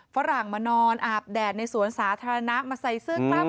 ฝรั่งมานอนอาบแดดในสวนสาธารณะมาใส่เสื้อกล้าม